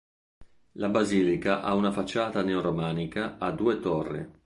La basilica ha una facciata neoromanica a due torri.